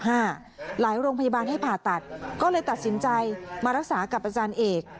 หลายโรงพยาบาลให้ผ่าตัดก็เลยตัดสินใจมารักษากับอาจารย์เอก